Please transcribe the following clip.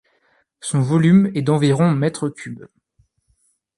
Son volume est d'environ mètres cubes.